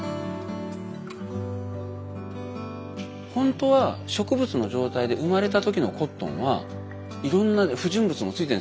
本当は植物の状態で生まれた時のコットンはいろんな不純物もついてるんですよ。